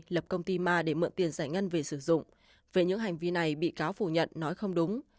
lập công ty ma để mượn tiền giải ngân về sử dụng về những hành vi này bị cáo phủ nhận nói không đúng